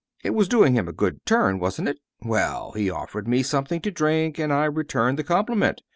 It was doing him a good turn, wasn't it? Well, he offered me something to drink, and I returned the compliment.